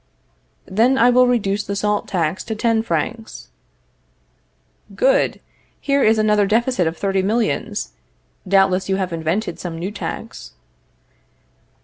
Then I will reduce the salt tax to ten francs. Good! Here is another deficit of thirty millions. Doubtless you have invented some new tax.